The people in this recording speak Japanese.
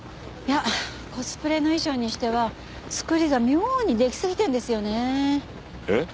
いやコスプレの衣装にしては作りが妙にできすぎてるんですよねえ。